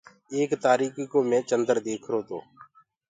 ايڪ تآريڪي ڪوُ مي چندر ديکرو تو۔